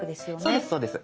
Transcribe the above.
そうですそうです。